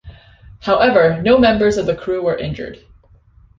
However, no members of the crew were injured.